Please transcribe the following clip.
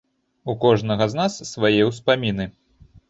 У кожнага з нас свае ўспаміны.